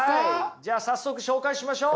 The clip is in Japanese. じゃあ早速紹介しましょう。